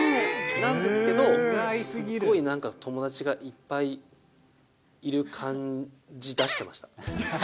なんですけど、すっごいなんか友達がいっぱいいる感じ出してました。